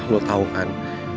lo tahu kan